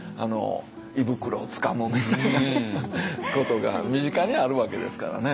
胃袋をつかむみたいなことが身近にあるわけですからね。